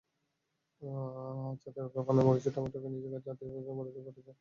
ছাদের বাগানে চাষ করা গাজর, মরিচ, টমেটো নিজেরা খাচ্ছেন, আত্মীয়-প্রতিবেশীদের বাড়িতেও পাঠাচ্ছেন।